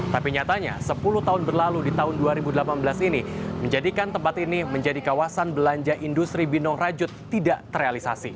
tapi nyatanya sepuluh tahun berlalu di tahun dua ribu delapan belas ini menjadikan tempat ini menjadi kawasan belanja industri binong rajut tidak terrealisasi